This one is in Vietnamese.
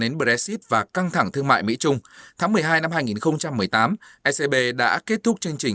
đến brexit và căng thẳng thương mại mỹ trung tháng một mươi hai năm hai nghìn một mươi tám ecb đã kết thúc chương trình